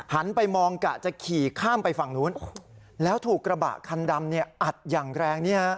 หันไปมองกะจะขี่ข้ามไปฝั่งนู้นแล้วถูกกระบะคันดำเนี่ยอัดอย่างแรง